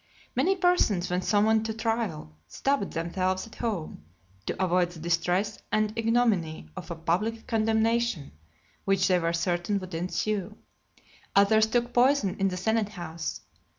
Many persons, when summoned to trial, stabbed themselves at home, to avoid the distress and ignominy of a public condemnation, which they were certain would ensue. Others took poison in the senate house.